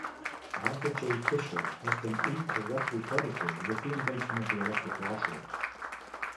Alva J. Fisher has been incorrectly credited with the invention of the electric washer.